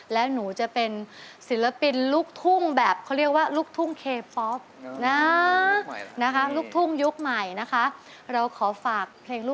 แล้วหนูจะเป็นศิลปินลูกทุ่งแบบเขาเรียกว่าลูกทุ่งเคป๊อปนะ